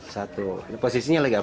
satu posisinya lagi apa